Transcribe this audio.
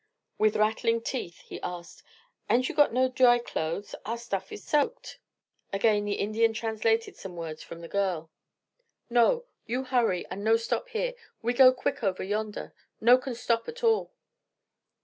With rattling teeth, he asked: "Ain't you got no dry clothes? Our stuff is soaked." Again the Indian translated some words from the girl. "No! You hurry and no stop here. We go quick over yonder. No can stop at all."